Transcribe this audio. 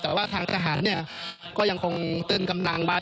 แต่ว่าทางทหารก็ยังคงเตินกำลังมา